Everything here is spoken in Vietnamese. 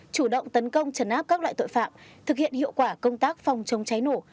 chủ động tấn công trấn áp các loại tội phạm thực hiện hiệu quả công tác phòng chống cháy nổ